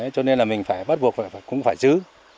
cho nên là mình phải bắt buộc phải cũng phải giữ